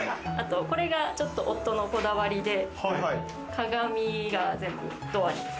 これがちょっと夫のこだわりで、鏡が全部ドアに。